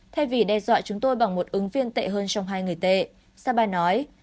thay vì đe dọa chúng tôi bằng một ứng viên tệ hơn trong hai người tệ saba nói